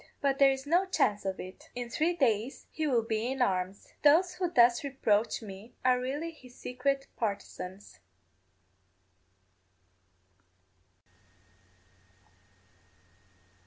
But there is no chance of it; in three days he will be in arms. Those who thus reproach me are really his secret partisans.